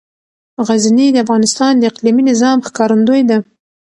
غزني د افغانستان د اقلیمي نظام ښکارندوی ده.